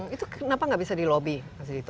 itu kenapa nggak bisa di lobby